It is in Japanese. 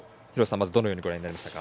どのようにご覧になりましたか？